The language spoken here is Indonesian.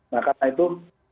nah karena itu